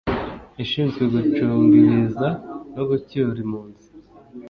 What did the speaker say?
ishinzwe Gucunga Ibiza no Gucyura Impunzi